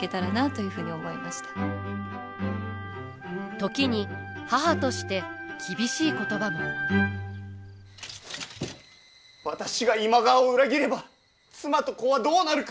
時に母として私が今川を裏切れば妻と子はどうなるか！